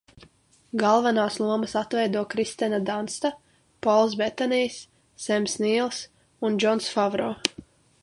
Galvenās lomas atveido Kirstena Dansta, Pols Betanijs, Sems Nīls un Džons Favro.